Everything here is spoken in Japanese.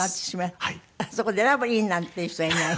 そこでラブリン！なんて言う人はいない？